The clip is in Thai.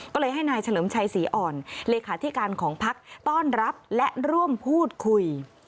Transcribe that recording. ก็เลยให้นายเฉลิมชัยศรีอ่อนเลขาธิการของพักต้อนรับและร่วมพูดคุย